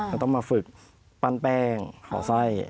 จะต้องมาฝึกปั้นแป้งขอไส้